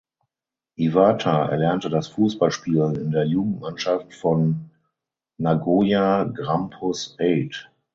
Iwata erlernte das Fußballspielen in der Jugendmannschaft von Nagoya Grampus Eight.